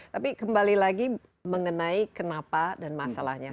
tapi kembali lagi mengenai kenapa dan masalahnya